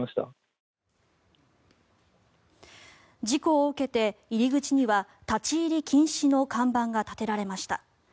事故を受けて入り口には立ち入り禁止の看板が立てられました。